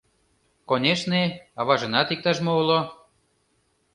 Конешне, аважынат иктаж-мо уло.